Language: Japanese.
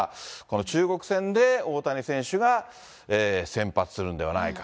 中国戦で大谷選手が先発するんではないか。